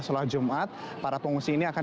solat jumat para pengungsi ini akan